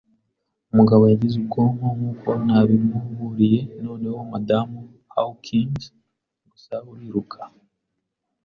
Umugabo yagize ubwonko, nkuko nabimuburiye. Noneho, Madamu Hawkins, gusa uriruka